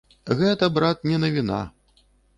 Гэта, брат, не навіна!